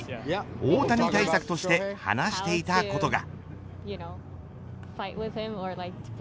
大谷対策として話していたことが。